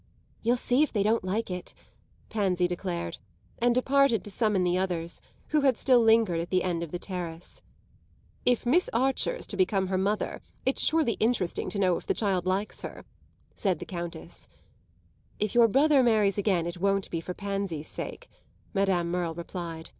"You'll see if they don't like it!" Pansy declared; and departed to summon the others, who had still lingered at the end of the terrace. "If Miss Archer's to become her mother it's surely interesting to know if the child likes her," said the Countess. "If your brother marries again it won't be for Pansy's sake," Madame Merle replied.